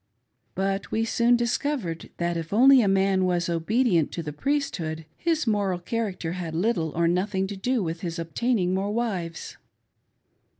But we soon discovered that if only a man was obedient to the Priesthood, his moral charac ter had little or nothing to do with his obtaining more wives.